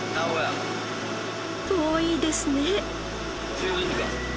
遠いですね。